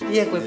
iya kue putu